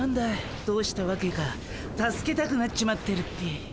いどうしたわけか助けたくなっちまってるっピィ。